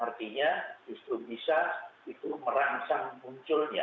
artinya justru bisa itu merangsang munculnya